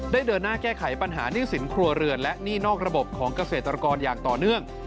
เดินหน้าแก้ไขปัญหาหนี้สินครัวเรือนและหนี้นอกระบบของเกษตรกรอย่างต่อเนื่อง